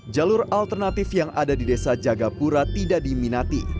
jalur alternatif yang ada di desa jagapura tidak diminati